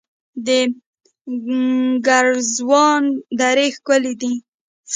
د ګرزوان درې ښکلې دي